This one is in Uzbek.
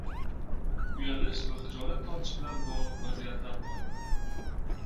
Uyalish va xijolat tortish bilan bog‘liq vaziyatlar bor.